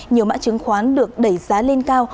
nhiều mã chứng khoán được đẩy giá lên cao